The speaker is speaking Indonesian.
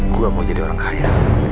gue mau jadi orang kaya